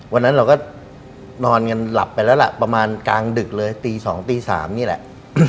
วันนั้นเราก็นอนกันหลับไปแล้วล่ะประมาณกลางดึกเลยตี๒ตี๓นี่แหละ